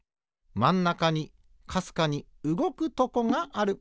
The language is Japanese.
まんなかにかすかにうごくとこがある。